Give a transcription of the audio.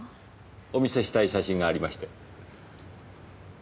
お見せしたい写真がありまして。